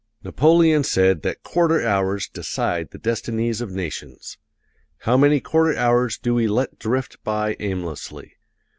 Napoleon said that quarter hours decide the destinies of nations. How many quarter hours do we let drift by aimlessly!